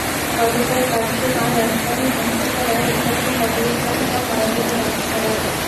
গতকাল বাদ জুমা রাজধানীর মুগদাপাড়ায় স্থানীয় কবরস্থানে তার মরদেহ দাফন করা হয়।